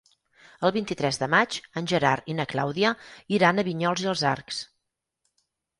El vint-i-tres de maig en Gerard i na Clàudia iran a Vinyols i els Arcs.